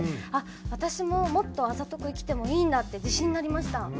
あっ私ももっとあざとく生きてもいいんだって自信になりました。